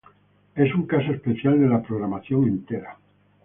Es un caso especial de la "Programación Entera".